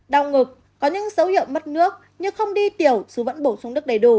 đau ngực có những dấu hiệu mất nước nhưng không đi tiểu dù vẫn bổ sung nước đầy đủ